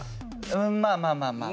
うんまあまあまあ。